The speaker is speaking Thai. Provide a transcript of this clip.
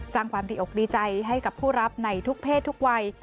สร้างความดีอกดีใจให้กับผู้รับในทุกเพศทุกวัย